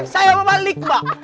saya mau balik mbak